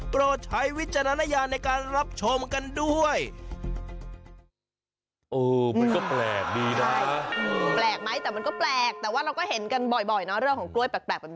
โปรดใช้วิจารณญาณในการรับชมกันด้วย